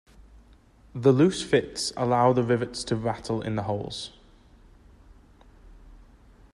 The loose fit allows the rivets to rattle in the holes.